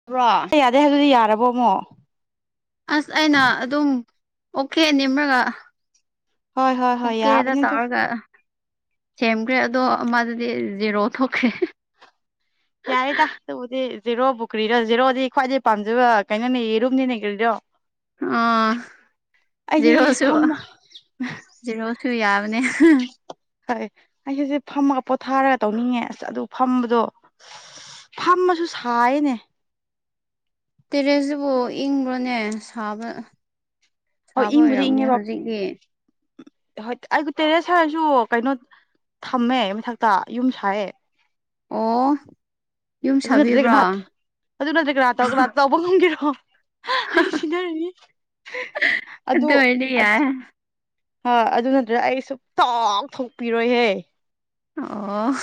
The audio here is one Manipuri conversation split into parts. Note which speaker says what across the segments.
Speaker 1: [unintelligible]
Speaker 2: ꯌꯥꯗꯦ ꯍꯥꯏꯕꯗꯤ ꯌꯥꯔꯕꯣꯕ
Speaker 1: ꯑꯁ ꯑꯩꯅ ꯑꯗꯨꯝ ꯑꯣꯀꯦ ꯅꯦꯝ꯭ꯔꯒ
Speaker 2: ꯍꯣꯏ ꯍꯣꯏ ꯍꯣꯏ
Speaker 1: ꯑꯣꯀꯦꯗ
Speaker 2: ꯌꯥꯕꯅꯤ ꯑꯗꯨ
Speaker 1: ꯇꯥꯔꯒ ꯁꯦꯝꯈ꯭ꯔꯦ ꯑꯗꯣ ꯃꯥꯗꯨꯗꯤ ꯖꯦꯔꯣ ꯊꯣꯛꯈ꯭ꯔꯦ
Speaker 2: ꯌꯥꯏꯦꯗ ꯑꯗꯨꯕꯨꯗꯤ ꯖꯦꯔꯣ ꯄꯨꯈ꯭ꯔꯤꯗꯣ ꯖꯦꯔꯣꯗꯤ ꯈ꯭ꯋꯥꯏꯗꯒꯤ ꯄꯥꯝꯖꯕ ꯀꯩꯅꯣꯅꯦ ꯌꯦꯔꯨꯝꯅꯤꯅꯦ ꯀ꯭ꯔꯤꯗꯣ
Speaker 1: ꯑ
Speaker 2: ꯑꯩꯗꯤ
Speaker 1: ꯔꯣꯁꯨ
Speaker 2: ꯐꯝꯃ
Speaker 1: ꯖꯤꯔꯛꯁꯨ ꯌꯥꯕꯅꯦ
Speaker 2: ꯍꯣꯏ ꯑꯩ ꯍꯧꯁꯦ ꯐꯝꯃꯒ ꯄꯣꯊꯥꯔꯒ ꯇꯧꯅꯤꯡꯉꯦ ꯑꯁ ꯑꯗꯨ ꯐꯝꯕꯗꯣ ꯐꯝꯃꯁꯨ ꯁꯥꯏꯌꯦꯅꯦ
Speaker 1: ꯇꯦꯔꯦꯁꯁꯤꯕꯨ ꯏꯪꯕ꯭ꯔꯣꯅꯦ ꯁꯥꯕ
Speaker 2: ꯑꯣ
Speaker 1: ꯁꯥꯕ
Speaker 2: ꯏꯪꯕꯨꯗꯤ
Speaker 1: ꯑꯣꯏꯔꯝꯅꯤ
Speaker 2: ꯏꯉꯦ ꯄ
Speaker 1: ꯍꯧꯖꯤꯛꯇꯤ
Speaker 2: ꯎ ꯍꯣꯏ ꯑꯩꯕꯨ ꯇꯦꯔꯦꯁ ꯍꯥꯏꯔꯁꯨ ꯀꯩꯅꯣ ꯊꯝꯃꯦ ꯃꯊꯛꯇ ꯌꯨꯝ ꯁꯥꯏꯑꯦ
Speaker 1: ꯑꯣ ꯌꯨꯝ
Speaker 2: ꯑꯗꯨ ꯅꯠꯇ꯭ꯔꯦ
Speaker 1: ꯁꯥꯕꯤꯕ꯭ꯔꯣ
Speaker 2: ꯀꯅꯥ ꯑꯗꯨ ꯅꯠꯇ꯭ꯔꯦ ꯀꯅꯥꯇꯅꯥ ꯇꯧꯕ ꯉꯝꯒꯦꯔꯣ ꯍ ꯁꯤꯟꯅꯔꯅꯤ ꯑꯗꯨ
Speaker 1: ꯑꯣꯏꯔꯗꯤ ꯌꯥꯏ
Speaker 2: ꯍ ꯑꯗꯨ ꯅꯠꯇ꯭ꯔꯅ ꯑꯩꯁꯨ ꯇꯥꯎꯊꯣꯛꯄꯤꯔꯣꯏꯍꯦ
Speaker 1: ꯑꯣ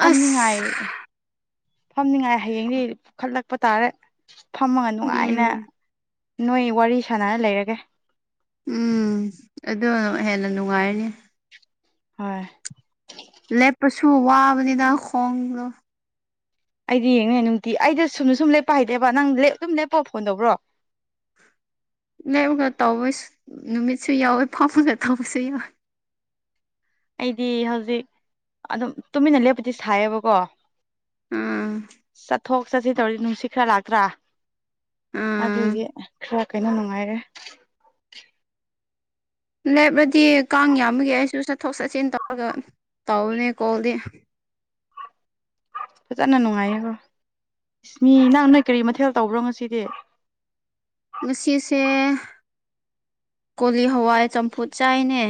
Speaker 2: ꯐꯝꯅꯤꯉꯥꯏ
Speaker 1: ꯑꯁ
Speaker 2: ꯐꯝꯅꯤꯉꯥꯏ ꯍꯌꯦꯡꯗꯤ ꯄꯨꯈꯠꯂꯛꯄ ꯇꯥꯔꯦ ꯐꯝꯃꯒ ꯅꯨꯡꯉꯥꯏꯅ
Speaker 1: ꯎꯝ
Speaker 2: ꯅꯣꯏ ꯋꯥꯔꯤ ꯁꯥꯟꯅꯔ ꯂꯩꯔꯒꯦ
Speaker 1: ꯎꯝ ꯑꯗꯨ ꯍꯦꯟꯅ ꯅꯨꯡꯉꯥꯏꯔꯅꯤ
Speaker 2: ꯍꯣꯏ
Speaker 1: ꯂꯦꯞꯄꯁꯨ ꯋꯥꯕꯅꯤꯅ ꯈꯣꯡꯗꯣ
Speaker 2: ꯑꯩꯗꯤ ꯌꯦꯡꯉꯅꯦ ꯅꯨꯡꯇꯤ ꯑꯩꯗ ꯁꯨꯝꯅ ꯁꯨꯝ ꯂꯦꯞꯄ ꯍꯥꯏꯇꯦꯕ ꯅꯪꯞ ꯑꯗꯨꯝ ꯂꯦꯞꯄꯣ ꯐꯣꯟ ꯇꯧꯕ꯭ꯔꯣ
Speaker 1: ꯂꯩꯔꯒ ꯇꯧꯕ ꯅꯨꯃꯤꯠꯁꯨ ꯌꯥꯎꯋꯦ ꯐꯝꯃꯒ ꯇꯧꯕꯁꯨ ꯌꯥꯎꯋꯦ
Speaker 2: ꯑꯩꯗꯤ ꯍꯧꯖꯤꯛ ꯑꯗꯨꯝ ꯇꯨꯃꯤꯟꯅ ꯂꯦꯞꯄꯗꯤ ꯁꯥꯏꯌꯦꯕꯀꯣ
Speaker 1: ꯎꯝ
Speaker 2: ꯆꯠꯊꯣꯛ ꯆꯠꯁꯤ ꯇꯧꯔꯤ ꯅꯨꯡꯁꯤꯠ ꯈꯔ ꯂꯥꯛꯇ꯭ꯔꯥ
Speaker 1: ꯎꯝ
Speaker 2: ꯑꯗꯨꯒꯤ ꯈꯔ ꯀꯩꯅꯣ ꯅꯨꯡꯉꯥꯏꯔꯦ
Speaker 1: ꯂꯦꯞꯂꯗꯤ ꯀꯥꯡ ꯌꯥꯝꯕꯒꯦ ꯑꯩꯁꯨ ꯆꯠꯊꯣꯛ ꯆꯠꯁꯤꯟ ꯇꯧꯔꯒ ꯇꯧꯕꯅꯦ ꯀꯣꯜꯗꯤ
Speaker 2: ꯐꯖꯅ ꯅꯨꯡꯉꯥꯏꯌꯦꯕꯣ ꯏꯁ ꯃꯤ ꯅꯪ ꯅꯣꯏ ꯀꯔꯤ ꯃꯊꯦꯜ ꯇꯧꯕ꯭ꯔꯣ ꯉꯁꯤꯗꯤ
Speaker 1: ꯉꯁꯤꯁꯦ ꯀꯣꯂꯤ ꯍꯋꯥꯏ ꯆꯝꯐꯨꯠ ꯆꯥꯏꯅꯦ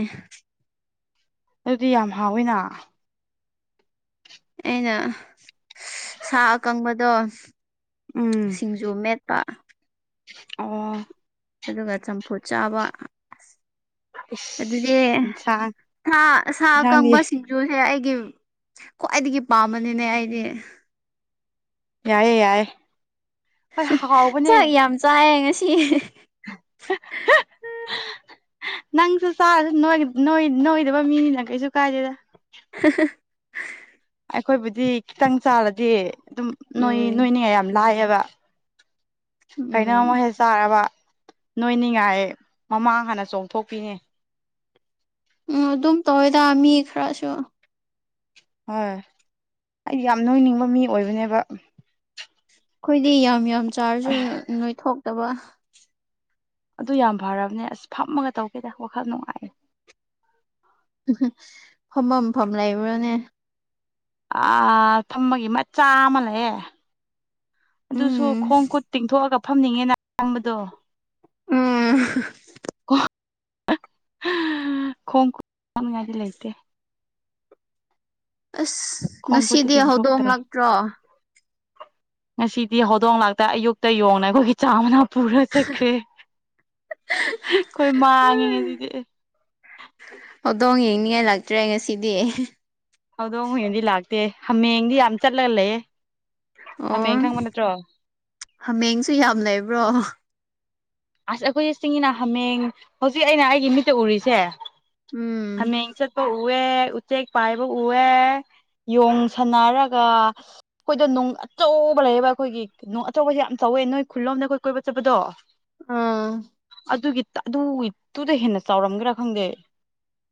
Speaker 2: ꯑꯗꯨꯗꯤ ꯌꯥꯝ ꯍꯥꯎꯋꯤꯅ
Speaker 1: ꯑꯩꯅ ꯁꯥ ꯑꯀꯪꯕꯗꯣ
Speaker 2: ꯎꯝ
Speaker 1: ꯁꯤꯡꯖꯨ ꯃꯦꯠꯄ
Speaker 2: ꯑꯣ
Speaker 1: ꯑꯗꯨꯒ ꯆꯝꯐꯨ ꯆꯥꯕ ꯑꯗꯨꯗꯤ
Speaker 2: ꯏꯁ ꯏꯟꯁꯥꯡ
Speaker 1: ꯁꯥ ꯁꯥ
Speaker 2: ꯏꯟꯁꯥꯡꯗꯤ
Speaker 1: ꯀꯪꯕꯁꯤꯡ ꯖꯨꯁꯦ ꯑꯩꯒꯤ ꯈ꯭ꯋꯥꯏꯗꯒꯤ ꯄꯥꯝꯕꯅꯤꯅꯦ ꯑꯩꯗꯤ
Speaker 2: ꯌꯥꯏꯌꯦꯦ ꯌꯥꯏꯌꯦꯦ ꯍꯣꯏ ꯍꯥꯎꯕꯅꯦ
Speaker 1: ꯆꯥꯏ ꯉꯁꯤ
Speaker 2: ꯅꯪꯁꯨ ꯆꯥꯁꯨ ꯅꯣꯏꯗꯕ ꯃꯤꯅꯤꯅ ꯀꯩꯁꯨ ꯀꯥꯏꯗꯦꯗ
Speaker 1: [unintelligible]
Speaker 2: ꯑꯩꯈꯣꯏꯕꯨꯗꯤ ꯈꯤꯇꯪ ꯆꯥꯔꯗꯤ ꯑꯗꯨꯝ ꯅꯣꯏ
Speaker 1: ꯎꯝ
Speaker 2: ꯅꯣꯏꯅꯤꯉꯥꯏ ꯌꯥꯝ ꯂꯥꯛꯑꯦꯕ ꯀꯩꯅꯣ ꯃꯣꯏ
Speaker 1: ꯎꯝ
Speaker 2: ꯍꯦꯛ ꯆꯥꯔꯕ ꯅꯣꯏꯅꯤꯉꯥꯏ ꯃꯃꯥꯡ ꯍꯥꯟꯅ ꯆꯣꯡꯊꯣꯛꯄꯤꯅꯦ
Speaker 1: ꯎ ꯑꯗꯨꯝ ꯇꯧꯋꯦꯗ ꯃꯤ ꯈꯔꯁꯨ
Speaker 2: ꯍꯣꯏ ꯑꯩꯗꯤ ꯌꯥꯝ ꯅꯣꯏꯅꯤꯡꯕ ꯃꯤ ꯑꯣꯏꯕꯅꯦꯕ
Speaker 1: ꯑꯩꯈꯣꯏꯗꯤ ꯌꯥꯝ ꯌꯥꯝ ꯆꯥꯔꯁꯨ ꯅꯣꯏ ꯊꯣꯛꯣꯛꯇꯕ
Speaker 2: ꯑꯗꯨ ꯌꯥꯝ ꯐꯔꯕꯅꯦ ꯑꯁ ꯐꯝꯃꯒ ꯇꯧꯒꯦꯗ ꯋꯥꯈꯜ ꯅꯨꯡꯉꯥꯏꯔꯦ
Speaker 1: ꯐꯝꯐꯝꯝꯐꯝ ꯂꯩꯕ꯭ꯔꯣꯅꯦ
Speaker 2: ꯑ ꯊꯝꯕꯒꯤ ꯃꯆꯥ ꯑꯃ ꯂꯩꯌꯦꯦ ꯑꯗꯨꯁꯨ
Speaker 1: ꯎꯝ
Speaker 2: ꯈꯣꯡ ꯈꯨꯠ ꯇꯤꯡꯊꯣꯛꯑꯒ ꯐꯝꯅꯤꯡꯉꯦꯅ ꯈꯪꯕꯗꯣ
Speaker 1: ꯎ
Speaker 2: ꯈꯣꯡꯗꯤ ꯂꯩꯇꯦ
Speaker 1: ꯑꯁ
Speaker 2: ꯈꯣꯡ ꯈꯨꯠꯇꯤ
Speaker 1: ꯉꯁꯤꯗꯤ
Speaker 2: ꯇꯤꯡꯊꯣꯛꯇ꯭ꯔꯦ
Speaker 1: ꯍꯧꯗꯣꯡꯡꯂꯛꯇ꯭ꯔꯣ
Speaker 2: ꯉꯁꯤꯗꯤ ꯍꯧꯗꯣꯡ ꯂꯥꯛꯇ ꯑꯌꯨꯛꯇ ꯌꯣꯡꯅꯈ ꯆꯥꯎꯅꯥ ꯄꯨꯔ ꯆꯠꯈ꯭ꯔꯦ ꯑꯩꯈꯣꯏ ꯃꯥꯡꯉꯤꯉꯁꯤꯗꯤ
Speaker 1: ꯍꯧꯗꯣꯡ ꯌꯦꯡꯅꯤꯡꯉꯥꯏ ꯂꯇ꯭ꯔꯦ ꯉꯁꯤꯗꯤ
Speaker 2: ꯍꯧꯗꯣꯡ ꯍꯌꯦꯡꯗꯤ ꯂꯥꯛꯇꯦ ꯍꯥꯃꯦꯡꯗꯤ ꯌꯥꯝ ꯆꯠꯂꯒ ꯂꯩꯌꯦ ꯍꯥꯃꯦꯡ
Speaker 1: ꯑꯣ
Speaker 2: ꯈꯪꯕ ꯅꯠꯇ꯭ꯔꯣ
Speaker 1: ꯍꯥꯃꯦꯡꯁꯨ ꯌꯥꯝ ꯂꯩꯕ꯭ꯔꯣ
Speaker 2: ꯑꯁ ꯑꯩꯈꯣꯏꯒꯤ ꯆꯤꯡꯒꯤꯅ ꯍꯥꯃꯦꯡ ꯍꯧꯖꯤꯛ ꯑꯩꯅ ꯑꯩꯒꯤ ꯃꯤꯠꯇ ꯎꯔꯤꯁꯦ
Speaker 1: ꯎꯝ
Speaker 2: ꯍꯥꯃꯦꯡ ꯆꯠꯄ ꯎꯏꯌꯦ ꯆꯦꯛ ꯄꯥꯏꯕ ꯎꯑꯦ ꯌꯣꯡ ꯁꯅꯔꯒ ꯑꯩꯈꯣꯏꯗ ꯅꯨꯡ ꯑꯆꯧꯕ ꯂꯩꯌꯦꯕ ꯑꯩꯈꯣꯏꯒꯤ ꯅꯣꯡ ꯑꯇꯣꯞꯄꯁ ꯌꯥꯝ ꯊꯧꯋꯦ ꯅꯣꯏ ꯈꯨꯜꯂꯣꯝꯗ ꯑꯩꯈꯣꯏ ꯀꯣꯏꯕ ꯆꯠꯄꯗꯣ
Speaker 1: ꯑꯥ
Speaker 2: ꯑꯗꯨꯒꯤ ꯑꯗꯨꯒꯤꯗꯨꯨꯗ ꯍꯦꯟꯅ ꯆꯥꯎꯔꯝꯒꯦꯔꯥ ꯈꯪꯗꯦ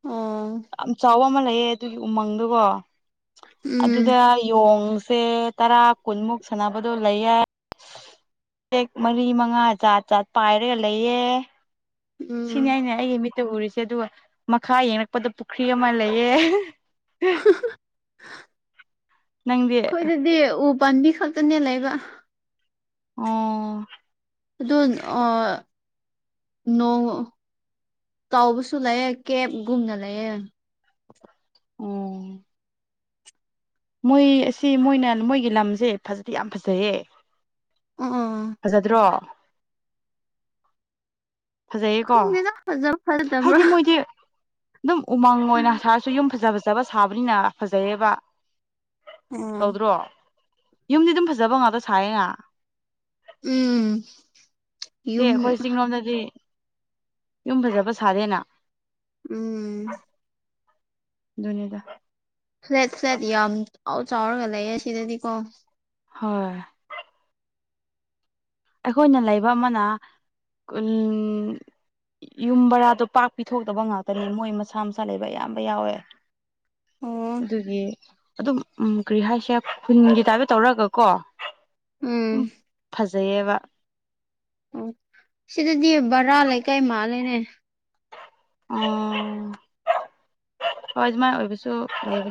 Speaker 1: ꯑꯣ
Speaker 2: ꯌꯥꯝ ꯆꯥꯎꯕ ꯑꯃ ꯂꯩꯌꯦ ꯑꯗꯨꯒꯤ ꯎꯃꯪꯗꯨꯒꯣ
Speaker 1: ꯎꯝ
Speaker 2: ꯑꯗꯨꯗ ꯌꯣꯡꯁꯦ ꯇꯔꯥ ꯀꯨꯟꯃꯨꯛ ꯁꯥꯟꯅꯕꯗꯣ ꯂꯩꯌꯦ ꯄꯦꯛ ꯃꯔꯤ ꯃꯉꯥ ꯆꯥꯠ ꯆꯥꯠ ꯄꯥꯏꯔꯒ ꯂꯩꯌꯦ ꯁꯤꯅꯤ
Speaker 1: ꯎꯝ
Speaker 2: ꯍꯥꯏꯅꯦ ꯑꯩꯒꯤ ꯃꯤꯠꯇ ꯎꯔꯤꯁꯦ ꯑꯗꯨꯒ ꯃꯈꯥ ꯌꯦꯡꯉꯛꯄꯗ ꯄꯨꯈ꯭ꯔꯤ ꯑꯃ ꯂꯩꯌꯦ ꯅꯪꯗꯤ
Speaker 1: ꯑꯩꯈꯣꯏꯗꯗꯤ ꯎ ꯄꯥꯝꯕꯤ ꯈꯛꯇꯅꯦ ꯂꯩꯕ
Speaker 2: ꯑꯣ
Speaker 1: ꯑꯗꯨ ꯅꯣꯡ ꯇꯕꯁꯨ ꯂꯩꯑꯦ ꯀꯦꯞꯒꯨꯝꯅ ꯂꯩꯌꯦꯦ
Speaker 2: ꯑꯣ ꯃꯣꯏ ꯑꯁꯤ ꯃꯣꯏꯅ ꯃꯣꯏꯒꯤ ꯂꯝꯁꯦ ꯐꯖꯗꯤ ꯌꯥꯝ ꯐꯖꯩꯌꯦ
Speaker 1: ꯑꯣ
Speaker 2: ꯐꯖꯗ꯭ꯔꯣ ꯐꯖꯩꯌꯦꯀꯣ
Speaker 1: ꯐꯖꯧ ꯐꯜꯗꯕ꯭ꯔꯣ
Speaker 2: ꯍꯥꯏꯗꯤ ꯃꯣꯏꯗꯤ ꯑꯗꯨꯝ ꯎꯃꯪ ꯑꯣꯏꯅ ꯁꯥꯔꯁꯨ ꯌꯨꯝ ꯐꯖ ꯐꯖꯕ ꯁꯥꯕꯅꯤꯅ ꯐꯖꯩꯌꯦꯕ
Speaker 1: ꯑꯣ
Speaker 2: ꯇꯧꯗ꯭ꯔꯣ ꯌꯨꯝꯗꯤ ꯑꯗꯨꯝ ꯐꯖꯕ ꯉꯥꯛꯇ ꯁꯥꯏꯌꯦ ꯉꯥ
Speaker 1: ꯎꯝ
Speaker 2: ꯏ
Speaker 1: ꯌꯨꯝ
Speaker 2: ꯑꯩꯈꯣꯏ ꯆꯤꯡꯂꯣꯝꯗꯗꯤ ꯌꯨꯝ ꯐꯖꯕ ꯁꯔꯦꯅ
Speaker 1: ꯎꯝ
Speaker 2: ꯑꯗꯨꯅꯤꯗ
Speaker 1: ꯐ꯭ꯂꯦꯠ ꯐ꯭ꯂꯦꯠ ꯌꯥꯝ ꯆꯥꯎꯥꯎ ꯆꯥꯎꯔꯒ ꯂꯩ ꯁꯤꯗꯗꯤꯀꯣ
Speaker 2: ꯍꯣꯏ ꯑꯩꯈꯣꯏꯅ ꯂꯩꯕ ꯑꯃꯅ ꯌꯨꯝ ꯕꯔꯥꯗꯣ ꯄꯥꯛ ꯄꯤꯊꯣꯛꯇꯕ ꯉꯥꯛꯇꯅꯤ ꯃꯣꯏ ꯃꯁꯥ ꯃꯁꯥ ꯂꯩꯕ ꯑꯌꯥꯝꯕ ꯌꯥꯎꯋꯦ
Speaker 1: ꯑꯣ
Speaker 2: ꯑꯗꯨꯒꯤ ꯑꯗꯨꯝ ꯀꯔꯤ ꯍꯥꯏꯁꯦ ꯈꯨꯟꯒꯤ ꯇꯥꯏꯞꯇ ꯇꯧꯔꯑꯒ ꯀꯣ
Speaker 1: ꯎꯝ
Speaker 2: ꯂꯩꯌꯦꯕꯥ
Speaker 1: ꯑꯣ ꯁꯤꯗꯗꯤ ꯕꯔꯥ ꯂꯩꯀꯥꯏ ꯃꯥꯜꯂꯦꯅꯦ
Speaker 2: ꯑꯣ ꯍꯣꯏ ꯑꯗꯨꯃꯥꯏ ꯑꯣꯏꯕꯁꯨ ꯂꯩ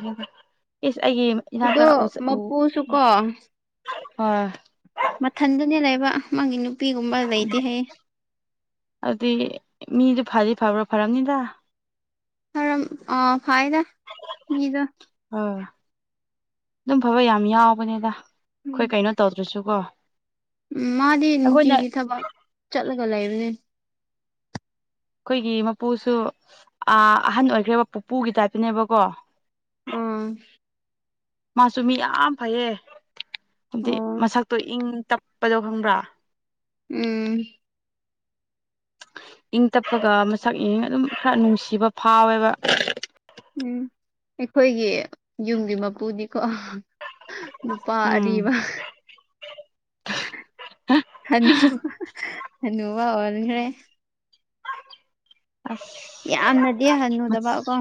Speaker 2: ꯏꯁ ꯑꯩꯒꯤ ꯏꯅꯥꯀ
Speaker 1: ꯑꯗꯣ
Speaker 2: ꯎꯁ
Speaker 1: ꯃꯄꯨꯁꯨ ꯀꯣ
Speaker 2: ꯍ
Speaker 1: ꯃꯊꯟꯗꯨꯅꯦ ꯂꯩꯕ ꯃꯥꯒꯤ ꯅꯨꯄꯤꯒꯨꯝꯕ ꯂꯩꯗꯤ ꯍꯌꯦ
Speaker 2: ꯑꯗꯨꯗꯤ ꯃꯤꯗꯨꯣ ꯐꯗꯤ ꯐꯕ꯭ꯔꯥ ꯐꯔꯕꯝꯅꯤꯗ
Speaker 1: ꯐꯔꯝ ꯑ ꯐꯥꯏꯗ ꯃꯤꯗ
Speaker 2: ꯍꯣꯏ ꯑꯗꯨꯝ ꯐꯕ ꯌꯥꯝ ꯌꯥꯎꯕꯅꯤꯗ
Speaker 1: ꯎꯝ
Speaker 2: ꯑꯩꯈꯣꯏ ꯀꯩꯅꯣ ꯇꯧꯗ꯭ꯔꯁꯨꯀꯣ
Speaker 1: ꯎꯝ ꯃꯥꯗꯤ
Speaker 2: ꯑꯩꯈꯣꯏꯅ
Speaker 1: ꯅꯨꯡꯇꯤꯒꯤ ꯊꯕꯛ ꯆꯠꯂꯒ ꯂꯩꯕꯅꯦ
Speaker 2: ꯑꯩꯈꯣꯏꯒꯤ ꯃꯄꯨꯁꯨ ꯑꯍꯟ ꯑꯣꯏꯈ꯭ꯔꯦꯕ ꯄꯨꯄꯨꯒꯤ ꯇꯥꯏꯞꯇꯅꯦꯕꯀꯣ
Speaker 1: ꯎꯝ
Speaker 2: ꯃꯥꯁꯨ ꯃꯤ ꯌꯥꯝ ꯐꯩꯌꯦ ꯍꯥꯏꯗꯤ
Speaker 1: ꯑꯣ
Speaker 2: ꯃꯁꯛꯇꯣ ꯏꯪ ꯇꯞꯄꯗꫭ ꯈꯪꯕ꯭ꯔꯥ
Speaker 1: ꯎꯝ
Speaker 2: ꯏꯪ ꯇꯞꯄꯒ ꯃꯁꯛ ꯏ ꯑꯗꯨꯝ ꯈꯔ ꯅꯨꯡꯁꯤꯕ ꯐꯥꯎꯋꯦꯕ
Speaker 1: ꯎꯝ ꯑꯩꯈꯣꯏꯒꯤ ꯌꯨꯝꯒꯤ ꯃꯄꯨꯗꯤꯀꯣ ꯅꯨꯄꯥ
Speaker 2: ꯎꯝ
Speaker 1: ꯑꯔꯤꯕ ꯍꯟꯅꯨ ꯍꯅꯨꯕ ꯑꯣꯟꯈ꯭ꯔꯦ
Speaker 2: ꯑꯁ
Speaker 1: ꯌꯥꯝꯅꯗꯤ ꯍꯟꯅꯨꯗꯕ ꯀꯣ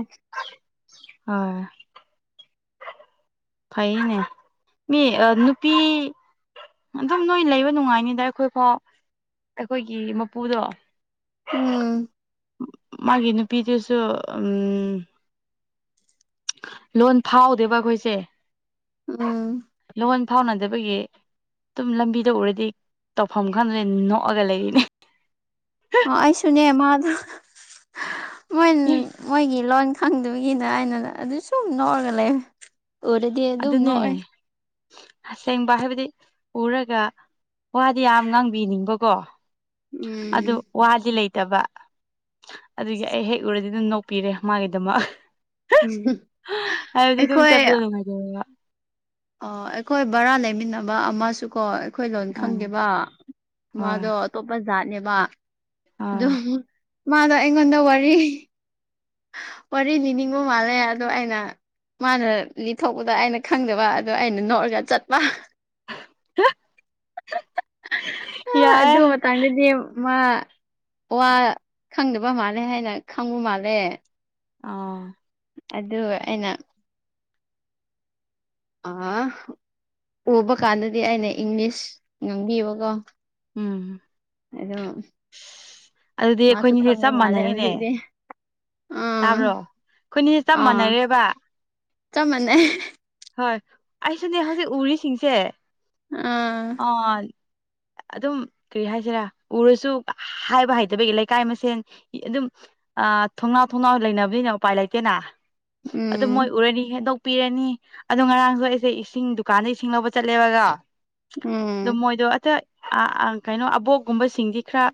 Speaker 2: ꯍꯣꯏ ꯐꯩꯅꯦ ꯃꯤ ꯅꯨꯄꯤ ꯑꯗꯨꯝ ꯅꯣꯏ ꯂꯩꯕ ꯅꯨꯡꯉꯥꯏꯅꯤꯗ ꯑꯩꯈꯣꯏꯐꯥꯎ ꯑꯩꯈꯣꯏꯒꯤ ꯃꯄꯨꯗꯣ
Speaker 1: ꯎꯝ
Speaker 2: ꯃꯥꯒꯤ ꯅꯨꯄꯤꯗꯨꯁꯨ ꯂꯣꯟ ꯐꯥꯎꯗꯦꯕ ꯑꯩꯈꯣꯏꯁꯦ
Speaker 1: ꯎꯝ
Speaker 2: ꯂꯣꯟ ꯐꯥꯎꯅꯗꯕꯒꯤ ꯑꯗꯨꯝ ꯂꯝꯕꯤꯗ ꯎꯔꯗꯤ ꯇꯧꯐꯝ ꯈꯪꯗꯅꯦ ꯅꯣꯛꯑꯒ ꯂꯩꯔꯤꯅꯦ
Speaker 1: ꯑꫭ ꯑꯩꯁꯨꯅꯦ ꯃꯥꯗꫭ
Speaker 2: ꯑꯌꯥ
Speaker 1: ꯃꯣꯏꯒꯤ ꯂꯣꯟ ꯈꯪꯗꯕꯒꯤꯅ ꯑꯩꯅ ꯑꯗꯨ ꯁꯨꯝ ꯅꫭꯛꯑꯒ ꯂꯩ ꯎꯔꯗꯤ ꯑꯗꯨꯝ ꯅꯣꯛꯑꯦ
Speaker 2: ꯑꯗꯨꯅꯦꯅꯦ ꯑꯁꯦꯡꯕ ꯍꯥꯏꯕꯗꯤ ꯎꯔꯒ ꯋꯥꯗꯤ ꯌꯥꯝ ꯉꯥꯡꯕꯤꯅꯤꯡꯕꯀꯣ
Speaker 1: ꯎꯝ
Speaker 2: ꯑꯗꯨ ꯋꯥꯗꯤ ꯂꯩꯇꯕ ꯑꯗꯨꯒꯤ ꯑꯩ ꯍꯦꯛ ꯎꯔꯗꯤ ꯑꯗꯨꯝ ꯅꯣꯛꯄꯤꯔꯦ ꯃꯥꯒꯤꯗꯃꯛ ꯍꯥꯏꯕꯗꯤ ꯑꯗꯨꯝ ꯆꯠꯄꯗ ꯅꯨꯡꯉꯥꯏꯖꯕ
Speaker 1: ꯑꯣ ꯑꯩꯈꯣꯏ ꯕꯔꯥ ꯂꯩꯃꯤꯟꯅꯕ ꯑꯃꯁꯨꯀꯣ ꯑꯩꯈꯣꯏ ꯂꯣꯟ
Speaker 2: ꯑꯥ
Speaker 1: ꯈꯪꯗꯦꯕ
Speaker 2: ꯍꯣꯏ
Speaker 1: ꯃꯥꯗꯣ ꯑꯇꯣꯞꯄ ꯖꯥꯠꯅꯦꯕ ꯑꯗꯨ
Speaker 2: ꯑꯥ
Speaker 1: ꯃꯥꯗꯣ ꯑꯩꯉꯣꯟꯗ ꯋꯥꯔꯤ ꯋꯥꯔꯤ ꯅꯤꯅꯤꯡꯕ ꯃꯥꯜꯂꯦ ꯑꯗꯣ ꯑꯩꯅ ꯃꯥꯅ ꯂꯤꯊꯣꯛꯄꯗ ꯑꯩꯅ ꯈꯪꯗꯕ ꯑꯗꯣ ꯑꯩꯅ ꯅꯣꯛꯔꯒ ꯆꯠꯄ
Speaker 2: ꯎꯝ [unintelligible]
Speaker 1: ꯑꯗꯨ ꯃ ꯍ ꯀꯥꯡꯥꯡꯗꯗꯤ ꯃꯥ ꯋꯥ ꯈꯪꯗꯕ ꯃꯥꯜꯂꯦ ꯍꯥꯏꯅ ꯈꯪꯕ ꯃꯥꯜꯂꯦ
Speaker 2: ꯑꯥ
Speaker 1: ꯑꯗꯨꯒ ꯑꯩꯅ ꯑ ꯎꯕ ꯀꯥꯟꯗꯗꯤ ꯑꯩꯅ ꯏꯪꯂꯤꯁ ꯉꯥꯡꯕꯤꯕꯀꯣ
Speaker 2: ꯎꯝ
Speaker 1: ꯑꯗꯣ
Speaker 2: ꯑꯗꯨꯗꯤ
Speaker 1: ꯃꯥꯁꯨ
Speaker 2: ꯑꯩꯈꯣꯏꯅꯤꯁꯦ
Speaker 1: ꯈꯪꯕ
Speaker 2: ꯆꯞ
Speaker 1: ꯃꯥꯜꯂꯦ
Speaker 2: ꯃꯥꯟꯅꯩꯅꯦ
Speaker 1: ꯍꯧꯖꯤꯛꯇꯤ ꯑꯥ
Speaker 2: ꯇꯥꯕ꯭ꯔꯣ ꯑꯩꯈꯣꯏꯅꯤꯁꯦ ꯆꯞ
Speaker 1: ꯑꯥ
Speaker 2: ꯃꯥꯟꯅꯔꯦꯕ
Speaker 1: ꯆꯞ ꯃꯥꯟꯅꯩ
Speaker 2: ꯍꯣꯏ ꯑꯩꯁꯨꯅꯦ ꯍꯧꯖꯤꯛ ꯎꯔꯤꯁꯤꯡꯁꯦ
Speaker 1: ꯑꯥ
Speaker 2: ꯑꯥ ꯑꯗꯨꯝ ꯀꯔꯤ ꯍꯥꯏꯁꯤꯔꯦ ꯎꯔꯁꯨ ꯍꯥꯏꯕ ꯍꯩꯇꯕꯒꯤ ꯂꯩꯀꯥꯏ ꯃꯁꯦꯟ ꯑꯗꯨꯝ ꯊꯣꯡꯅꯥꯎ ꯊꯣꯡꯅꯥꯎ ꯂꯩꯅꯕꯅꯤꯅꯦ ꯎꯄꯥꯏ ꯂꯩꯇꯦꯅ ꯑꯗꯨ ꯃꯣꯏ
Speaker 1: ꯎꯝ
Speaker 2: ꯎꯔꯅꯤ ꯍꯦꯟꯗꯣꯛꯄꯤꯔꯅꯤ ꯑꯗꯣ ꯉꯔꯥꯡꯁꯨ ꯑꯩꯁꯦ ꯏꯁꯤꯡ ꯗꯨꯀꯥꯟꯗ ꯏꯁꯤꯡ ꯂꯧꯕ ꯆꯠꯂꯦꯕꯀ ꯑꯗꯣ
Speaker 1: ꯎꯝ
Speaker 2: ꯃꯣꯏꯗꯣ ꯑꯇ ꯑ ꯀꯩꯅꯣ ꯑꯕꯣꯛꯀꯨꯝꯕꯁꯤꯡꯗꯤ ꯈꯔ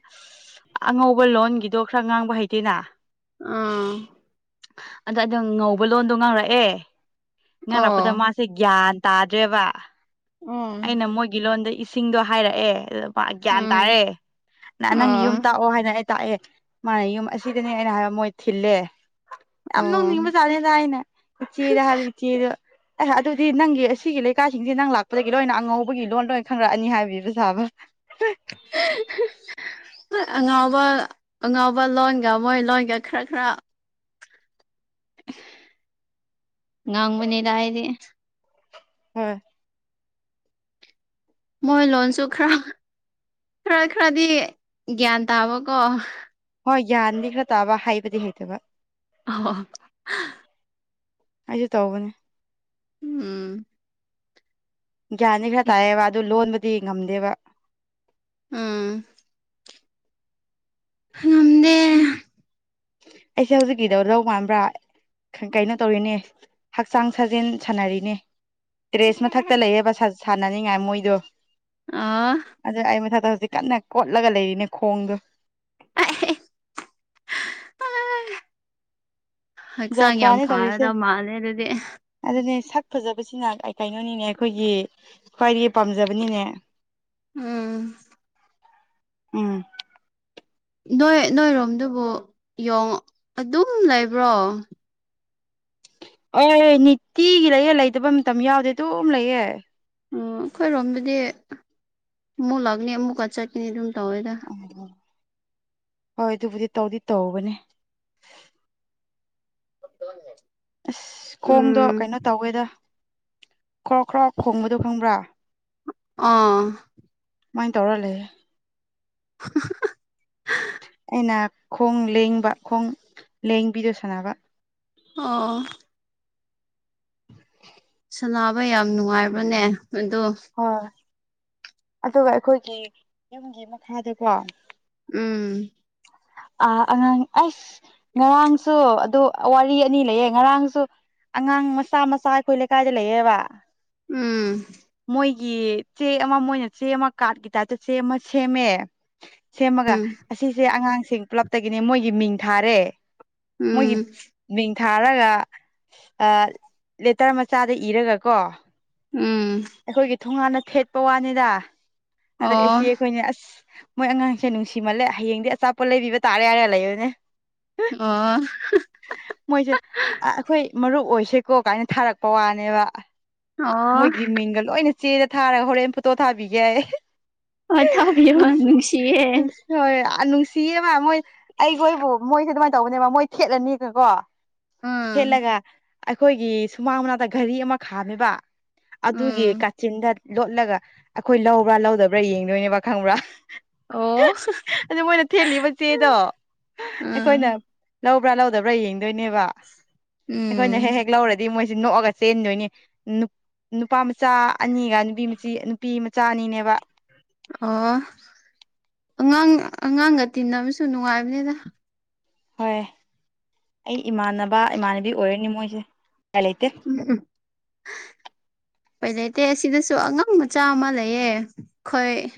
Speaker 2: ꯑꯉꯧꯕ ꯂꯣꯟꯒꯤ ꯗꯣꯛ ꯈꯔ ꯉꯥꯡꯕ ꯍꯩꯇꯦꯅ
Speaker 1: ꯑꯥꯝ
Speaker 2: ꯑꯗ ꯑꯗ ꯉꯧꯕ ꯂꯣꯟꯗꯣ ꯉꯥꯡꯔꯛꯑꯦ ꯏꯉꯥꯡ ꯂꯥꯛꯄꯗ
Speaker 1: ꯑꯣ
Speaker 2: ꯃꯥꯁꯦ ꯒ꯭ꯌꯥꯟ ꯇꯥꯗ꯭ꯔꯦꯕ
Speaker 1: ꯑꯣ
Speaker 2: ꯑꯩꯅ ꯃꯣꯏꯒꯤ ꯂꯣꯟꯗ ꯁꯤꯡꯗꯣ ꯍꯥꯏꯔꯛꯑꯦ ꯑꯗꯨ ꯃꯥ ꯒ꯭ꯌꯥꯟ
Speaker 1: ꯎꯝ
Speaker 2: ꯇꯥꯔꯦ ꯅ ꯅꯪ
Speaker 1: ꯑꯥ
Speaker 2: ꯌꯨꯝ ꯇꯥꯛꯑꯣ ꯍꯥꯏꯅ ꯑꯩ ꯇꯥꯛꯑꯦ ꯃꯥꯅ ꯌꯨꯝ ꯑꯁꯤꯗꯅꯦ ꯑꯩꯅ ꯍꯥꯏꯕ ꯃꯣꯏ ꯊꯤꯜꯂꯦ꯫ ꯌꯥꯝ
Speaker 1: ꯑꯣ
Speaker 2: ꯅꯣꯛꯅꯤꯡꯕ ꯖꯠꯅꯤꯗ ꯍꯥꯏꯅ ꯎꯆꯤꯗ ꯍꯜꯂꯤ ꯏꯆꯦꯗꯣ꯫ ꯑꯦ ꯑꯗꯨꯗꯤ ꯅꯪꯒꯤ ꯑꯁꯤꯒꯤ ꯂꯩꯀꯥꯏꯁꯤꯡꯁꯤ ꯅꯪ ꯂꯥꯛꯄꯗꯒꯤ ꯂꯣꯏꯅ ꯑꯉꯧꯕꯒꯤ ꯂꯣꯟꯂꯣꯏ ꯈꯪꯪꯂꯛꯑꯅꯤ ꯍꯥꯏꯕꯤꯕ ꯁꯥꯥꯕ꯫
Speaker 1: ꯑꯉꯥꯎꯕ ꯑꯉꯥꯎꯕ ꯂꯣꯟꯒ ꯃꯣꯏ ꯂꯣꯟꯒ ꯈꯔ ꯈ꯭ꯔ ꯉꯥꯡꯕꯅꯦꯗ ꯑꯩꯗꯤ
Speaker 2: ꯍꯣꯏ
Speaker 1: ꯃꯣꯏ ꯂꯣꯟꯁꯨ ꯈ꯭ꯔ ꯈ꯭ꯔ ꯈ꯭ꯔꯗꯤ ꯒ꯭ꯌꯥꯟ ꯇꯥꯕꯀꯣ꯫
Speaker 2: ꯍꯣꯏ ꯌꯥꯟꯗꯤ ꯈꯔ ꯇꯥꯕ ꯍꯥꯏꯕꯗꯤ ꯍꯩꯇꯕ꯫
Speaker 1: ꯑꯍꯣ
Speaker 2: ꯑꯩꯖꯨ ꯇꯧꯕꯅꯦ
Speaker 1: ꯎꯝ
Speaker 2: ꯒ꯭ꯌꯥꯟꯅꯤ ꯈꯔ ꯇꯥꯏꯑꯌꯦꯕ ꯑꯗꯨ ꯂꯣꯟꯕꯗꯤ ꯉꯝꯗꯦꯕ꯫
Speaker 1: ꯎꯝ ꯉꯝꯗꯦ
Speaker 2: ꯑꯩꯁꯦ ꯍꯧꯖꯤꯛꯀꯤꯗꯣ ꯔꯧ ꯃꯥꯟꯕ꯭ꯔꯥ꯫ ꯀꯩꯅꯣ ꯇꯧꯔꯤꯅꯦ ꯍꯛꯆꯥꯡ ꯁꯥꯖꯦꯜ ꯁꯥꯥꯟꯅꯔꯤꯅꯦ꯫ ꯇ꯭ꯔꯦꯁ ꯃꯊꯛꯇ ꯂꯩꯌꯦꯕ ꯁꯥ ꯁꯥꯟꯅꯅꯤꯡꯉꯥꯏ ꯃꯣꯏꯗꯣ꯫
Speaker 1: ꯑꯥ
Speaker 2: ꯑꯗꯨ ꯑꯩ ꯃꯊꯛꯇ ꯍꯧꯖꯤꯛ ꯀꯟꯅ ꯀꯣꯠꯂꯒ ꯂꯩꯔꯤꯅꯦ ꯈꯣꯡꯗꯣ꯫
Speaker 1: [inaudible]
Speaker 2: ꯖꯥꯠ
Speaker 1: ꯍꯛꯆꯥꯡ ꯌꯥꯝ
Speaker 2: ꯖꯥꯠꯅꯤ ꯇꯧꯔꯤꯁꯦ
Speaker 1: ꯐꯔꯗꯝ ꯃꯥꯜꯂꯦ ꯑꯗꯨꯗꯤ꯫
Speaker 2: ꯑꯗꯨꯅꯦ ꯁꯛ ꯐꯖꯕꯁꯤꯅ ꯀꯩ ꯀꯩꯅꯣꯅꯤꯅꯦ ꯑꯩꯈꯣꯏꯒꯤ ꯈ꯭ꯋꯥꯏꯒꯤ ꯄꯥꯝꯖꯕꯅꯤꯅꯦ꯫
Speaker 1: ꯎꯝ
Speaker 2: ꯎꯝ
Speaker 1: ꯅꯣꯏ ꯅꯣꯏꯔꯣꯝꯗꯨꯕꯨ ꯌꯣꯡ ꯑꯗꯨꯝ ꯂꯩꯕ꯭ꯔꯣ꯫
Speaker 2: ꯑꯣ ꯅꯤꯇꯤꯒꯤ ꯂꯩꯌꯦ ꯂꯩꯇꯕ ꯃꯇꯝ ꯌꯥꯎꯗꯦ ꯑꯗꯨꯝ ꯂꯩꯌꯦ꯫
Speaker 1: ꯎꯝ ꯑꯈꯣꯏꯔꯣꯝꯗꯗꯤ ꯑꯃꯨꯛ ꯂꯥꯛꯅꯤ ꯑꯃꯨꯛꯀ ꯆꯠꯀꯅꯤ ꯑꯗꯨꯝ ꯇꯧꯋꯦꯗ꯫
Speaker 2: ꯍꯣꯏ ꯑꯗꯨꯕꯨꯗꯤ ꯇꯧꯗꯤ ꯇꯧꯕꯅꯦ꯫
Speaker 1: [unintelligible]
Speaker 2: ꯑꯁ ꯈꯣꯡꯗꯣ
Speaker 1: ꯎꯝ
Speaker 2: ꯀꯩꯅꯣ ꯇꯧꯋꯦꯗ ꯈ꯭ꯔꯣꯛ ꯈ꯭ꯔꯣꯛ ꯈꯣꯡꯕꯗꯣ ꯈꯪꯕ꯭ꯔꯥ꯫
Speaker 1: ꯑꯥ
Speaker 2: ꯃꯥꯥꯏꯅ ꯇꯧꯔ ꯂꯩꯌꯦ꯫
Speaker 1: [inaudible]
Speaker 2: ꯑꯩꯅ ꯈꯣꯡ ꯂꯦꯡꯕ ꯈꯣꯡ ꯂꯦꯡꯕꯤꯗꯣ ꯁꯥꯟꯅꯕ꯫
Speaker 1: ꯑꯣ ꯁꯅꯥꯕ ꯌꯥꯝ ꯅꯨꯡꯉꯥꯏꯕꯅꯦ ꯑꯗꯣ
Speaker 2: ꯍꯣꯏ ꯑꯗꯨꯒ ꯑꯈꯣꯏꯒꯤ ꯌꯨꯝꯒꯤ ꯃꯈꯥꯗꯀꯣ
Speaker 1: ꯎꯝ
Speaker 2: ꯑ ꯑꯉꯥꯡ ꯑꯁ ꯉꯔꯥꯡꯁꯨ ꯑꯗꯨ ꯋꯥꯔꯤ ꯑꯅꯤ ꯂꯩꯌꯦ ꯉꯔꯥꯡꯁꯨ ꯑꯉꯥꯡ ꯃꯆꯥ ꯃꯆꯥ ꯑꯈꯣꯏ ꯂꯩꯀꯥꯏꯗ ꯂꯩꯑꯕ꯫
Speaker 1: ꯎꯝ
Speaker 2: ꯃꯣꯏꯒꯤ ꯆꯦ ꯑꯃ ꯃꯣꯏꯅ ꯆꯦ ꯑꯃ ꯀꯥꯠꯀꯤ ꯇꯥꯏꯞꯇ ꯆꯦ ꯑꯃ ꯁꯦꯝꯃꯦ ꯁꯦꯝꯃꯒ ꯑꯁꯤꯁꯦ ꯑꯉꯥꯡꯁꯤꯡ ꯄ꯭ꯂꯞꯇꯒꯤꯅꯦ ꯃꯣꯏꯒꯤ ꯃꯤꯡ ꯊꯥꯔꯦ꯫
Speaker 1: ꯎꯝ
Speaker 2: ꯃꯣꯏꯒꯤ ꯃꯤꯡ ꯊꯥꯔꯒ ꯑ ꯂꯦꯇꯔ ꯃꯆꯥꯗ ꯏꯔꯒ ꯀꯣ
Speaker 1: ꯎꯝ
Speaker 2: ꯊꯣꯉꯥꯟꯗ ꯊꯦꯠꯄ ꯋꯥꯅꯤꯗ ꯑꯗ
Speaker 1: ꯑꯣ
Speaker 2: ꯏꯆꯦ ꯑꯈꯣꯏꯅꯦ ꯑꯁ ꯃꯣꯏ ꯑꯉꯥꯡꯁꯦ ꯅꯨꯡꯁꯤꯃꯜꯂꯦ ꯍꯌꯦꯡꯗꯤ ꯑꯆꯥꯄꯣꯠ ꯂꯩꯕꯤꯕ ꯇꯥꯔꯦ ꯌꯥꯏꯔꯦ ꯂꯩꯕꯅꯦ꯫
Speaker 1: ꯑꯣ
Speaker 2: ꯃꯣꯏꯁꯦ ꯑꯩꯈꯣꯏ ꯃꯔꯨꯞ ꯑꯣꯏꯁꯦꯀꯣ ꯀꯥꯏꯅ ꯊꯥꯔꯛꯄ ꯋꯥꯅꯦꯕ
Speaker 1: ꯑꯣ
Speaker 2: ꯃꯣꯏꯒꯤ ꯃꯤꯡꯒ ꯂꯣꯏꯅ ꯆꯦꯔ ꯊꯥꯔꯒ ꯍꯣꯔꯦꯟ ꯐꯣꯇꯣ ꯊꯥꯕꯤꯒꯦ
Speaker 1: ꯑꯣ ꯊꯕꯤ
Speaker 2: ꯅꯨꯡꯁꯤ
Speaker 1: ꯅꯨꯡꯁꯤꯌꯦ
Speaker 2: ꯅꯨꯡꯁꯤ ꯍꯣꯏ ꯅꯨꯡꯁꯤꯌꯦꯕ ꯃꯣꯏ ꯑꯩꯈꯣꯏꯕꯨ ꯃꯣꯏꯁꯦ ꯑꯗꯨꯃꯥꯏꯅ ꯇꯧꯕꯅꯦꯕ ꯃꯣꯏ ꯊꯦꯠꯂꯅꯤꯒꯀꯣ
Speaker 1: ꯎꯝ
Speaker 2: ꯊꯦꯠꯂꯒ ꯑꯩꯈꯣꯏꯒꯤ ꯁꯨꯃꯥꯡ ꯃꯅꯥꯛꯇ ꯘꯔꯤ ꯑꯃ ꯈꯥꯝꯃꯦꯕ ꯑꯗꯨꯒꯤ
Speaker 1: ꯎꯝ
Speaker 2: ꯀꯥꯆꯤꯟꯗ ꯂꯣꯠꯂꯒ ꯑꯩꯈꯣꯏ ꯂꯧꯕ꯭ꯔꯥ ꯂꯧꯗꯕ꯭ꯔꯥ ꯌꯦꯡꯗꯣꯏꯅꯦꯕ ꯈꯪꯕ꯭ꯔꯥ
Speaker 1: ꯑꯣ
Speaker 2: ꯑꯗꯨ ꯃꯣꯏꯅ ꯊꯦꯜꯂꯤꯕ ꯆꯦꯗꯣ ꯑꯩꯈꯣꯏꯅ
Speaker 1: ꯎꯝ
Speaker 2: ꯂꯧꯕ꯭ꯔꯥ ꯂꯧꯗꯕ꯭ꯔꯥ ꯌꯦꯡꯗꯣꯏꯅꯦꯕ ꯑꯩꯈꯣꯏꯅ ꯍꯦꯛ
Speaker 1: ꯎꯝ
Speaker 2: ꯍꯦꯛ ꯂꯧꯔꯗꯤ ꯗꯤ ꯃꯣꯏꯁꯤ ꯅꯣꯛꯑꯒ ꯆꯦꯟꯗꯣꯏꯅꯤ ꯅꯨꯄꯥ ꯃꯆꯥ ꯑꯅꯤꯒ ꯅꯨꯄꯤ ꯃ ꯅꯨꯄꯤ ꯃꯆꯥ ꯑꯅꯤꯅꯦꯕ
Speaker 1: ꯑꯣ ꯑꯉꯥꯡ ꯑꯉꯥꯡꯒ ꯇꯤꯟꯅꯕꯁꯨ ꯅꯨꯡꯉꯥꯏꯕꯅꯤꯗ
Speaker 2: ꯍꯣꯏ ꯑꯩ ꯏꯃꯥꯟꯅꯕ ꯏꯃꯥꯟꯅꯕꯤ ꯑꯣꯏꯔꯅꯤ ꯃꯣꯏꯁꯦ ꯀꯩ ꯂꯩꯇꯦ
Speaker 1: ꯎꯝ ꯎꯝ ꯑꯩꯣꯏ ꯂꯩꯇꯦ ꯑꯁꯤꯗꯁꯨ ꯑꯉꯥꯡ ꯃꯆꯥ ꯑꯃ ꯂꯩꯌꯦ ꯑꯩꯣꯏ